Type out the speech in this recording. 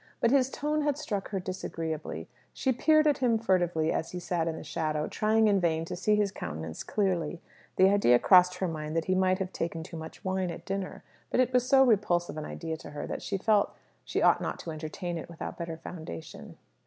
But his tone had struck her disagreeably. She peered at him furtively as he sat in the shadow, trying in vain to see his countenance clearly. The idea crossed her mind that he might have taken too much wine at dinner. But it was so repulsive an idea to her, that she felt she ought not to entertain it without better foundation.